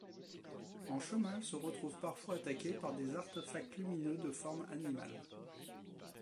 En chemin, elle se retrouve parfois attaquée par des artefacts lumineux de forme animale.